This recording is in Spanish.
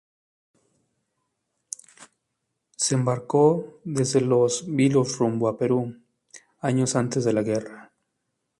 Se embarcó desde Los Vilos rumbo a Perú, años antes de la guerra.